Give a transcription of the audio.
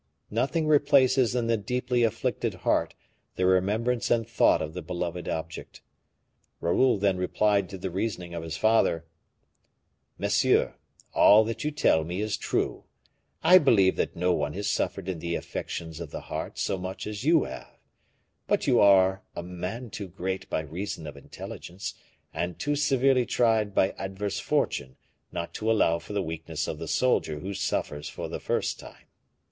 Nothing replaces in the deeply afflicted heart the remembrance and thought of the beloved object. Raoul then replied to the reasoning of his father: "Monsieur, all that you tell me is true; I believe that no one has suffered in the affections of the heart so much as you have; but you are a man too great by reason of intelligence, and too severely tried by adverse fortune not to allow for the weakness of the soldier who suffers for the first time.